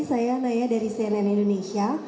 saya naya dari cnn indonesia